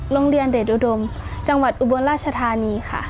โรงเรียนเดชอุดมจังหวัดอุบลราชธานีค่ะ